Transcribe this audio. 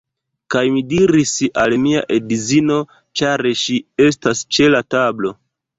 Kaj mi diris al mia edzino, ĉar ŝi estas ĉe la tablo: